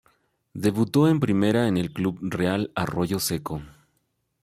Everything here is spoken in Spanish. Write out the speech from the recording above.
Debutó en primera en el Club Real Arroyo Seco.